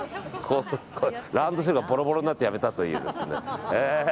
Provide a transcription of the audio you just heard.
ランドセルがボロボロになってやめたという。